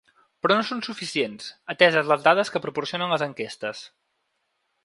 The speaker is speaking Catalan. Però no són suficients, ateses les dades que proporcionen les enquestes.